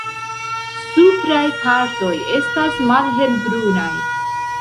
Supraj partoj estas malhelbrunaj.